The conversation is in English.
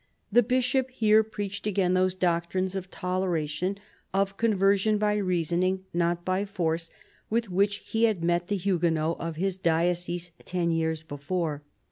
The Bishop here preached again those doctrines of toleration, of con version by reasoning, not by force, with which he had met the Huguenots of his diocese ten years before.